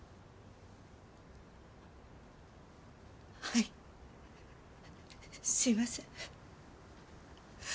はいすいません。